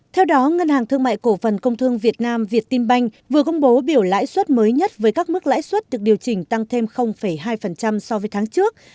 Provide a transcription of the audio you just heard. theo đó ngân hàng thương mại cổ phần công thương việt nam việt tinh banh vừa công bố biểu lãi suất mới nhất với các mức lãi suất được điều chỉnh tăng thêm hai so với tháng trước